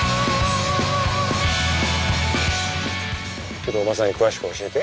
ちょっとおばさんに詳しく教えて。